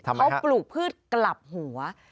เขาปลูกพืชกลับหัว